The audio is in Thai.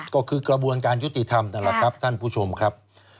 ก็คือกระบวนการยุติธรรมนั่นแหละครับท่านผู้ชมครับ